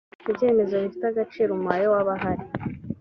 ibyemezo bifite agaciro umubare w abahari